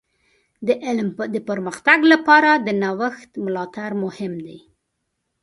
د علم د پرمختګ لپاره د نوښت ملاتړ مهم دی.